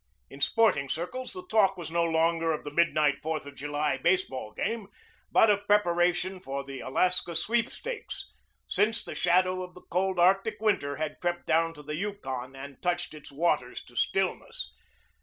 In sporting circles the talk was no longer of the midnight Fourth of July baseball game, but of preparation for the Alaska Sweepstakes, since the shadow of the cold Arctic winter had crept down to the Yukon and touched its waters to stillness.